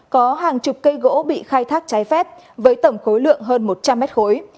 có hàng chục cây gỗ bị khai thác trái phép với tổng khối lượng hơn một trăm linh mét khối